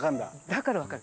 だから分かる。